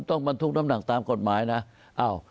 บรรทุกน้ำหนักตามกฎหมายนะ